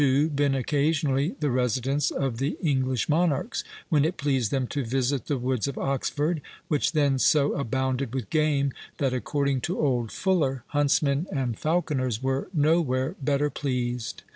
been occasionally the residence of the English monarchs, when it pleased them to visit the woods of Oxford, which then so abounded with game, that, according to old Fuller, huntsmen and falconers were nowhere better pleased.